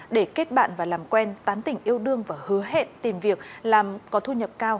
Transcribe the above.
để kết bạn và làm quen tán tỉnh yêu đương và hứa hẹn tìm việc làm có thu nhập cao